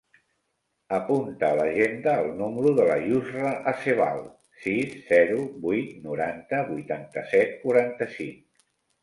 Apunta a l'agenda el número de la Yousra Acebal: sis, zero, vuit, noranta, vuitanta-set, quaranta-cinc.